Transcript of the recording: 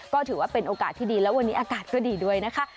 ก็ถือว่าเป็นโอกาสที่ดีแล้ววันนี้อากาศก็ดีด้วยนะคะ